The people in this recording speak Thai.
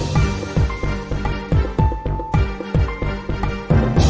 ติดตามต่อไป